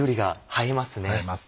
映えますね。